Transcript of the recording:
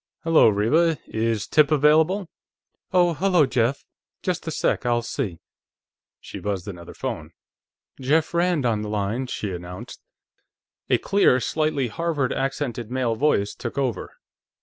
"Hello, Rheba; is Tip available?" "Oh, hello, Jeff. Just a sec; I'll see." She buzzed another phone. "Jeff Rand on the line," she announced. A clear, slightly Harvard accented male voice took over.